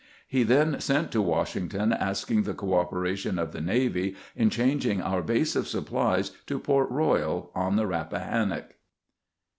He then sent to "Washington asking the cooperation of the navy in changing our base of supplies to Port Eoyal on the Eappahannock.